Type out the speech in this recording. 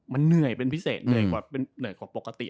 มันเหนื่อยเป็นพิเศษเหนื่อยกว่าปกติ